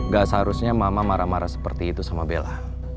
gak seharusnya mama marah marah seperti itu sama bella